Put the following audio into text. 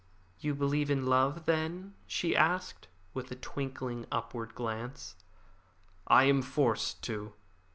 "You believe in love, then?" she asked, with a twinkling, upward glance. "I am forced to."